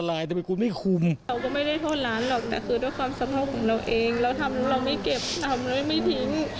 เราทำเราไม่เก็บเราไม่ทิ้ง